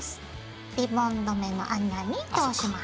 リボン留めの穴に通します。